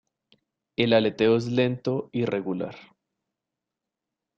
El aleteo es lento y regular.